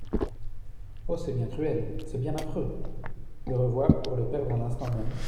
Oh ! c'est bien cruel ! c'est bien affreux ! Le revoir pour le perdre à l'instant même.